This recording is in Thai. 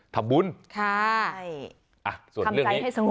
ทำบุญค่ะคำใจให้สงบส่วนเรื่องนี้